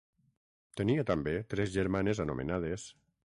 Tenia també tres germanes anomenades: